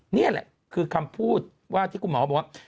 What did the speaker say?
นี่แหละคือคำพูดว่าที่คุณหมอบอกว่า